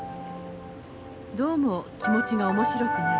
どうも気持ちが面白くない」。